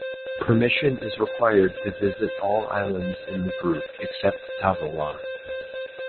Permission is required to visit all islands in the group except Tavewa.